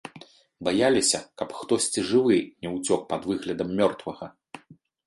Баяліся, каб хтосьці жывы ня ўцёк пад выглядам мёртвага.